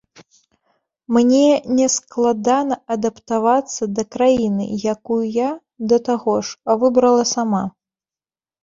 Мне нескладана адаптавацца да краіны, якую я, да таго ж, выбрала сама.